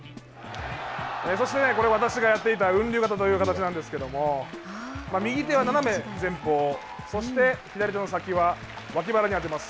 そして、これ私がやっていた雲竜型という型なんですけれども右手は斜め前方左手の先は脇腹に当てます。